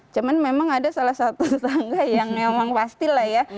cuman memang ada salah satu tangga yang memang pasti lah ya